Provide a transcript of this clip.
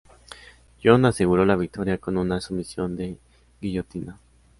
Jones aseguró la victoria con una sumisión de guillotina.